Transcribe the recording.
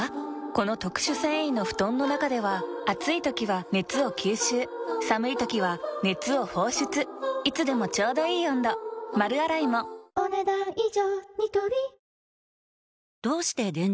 この特殊繊維の布団の中では暑い時は熱を吸収寒い時は熱を放出いつでもちょうどいい温度丸洗いもお、ねだん以上。